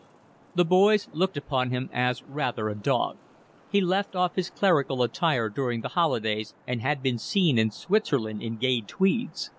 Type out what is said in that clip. The boys looked upon him as rather a dog. He left off his clerical attire during the holidays and had been seen in Switzerland in gay tweeds.